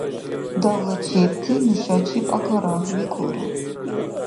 — Давлачебти нушачиб агара, — викӀулра.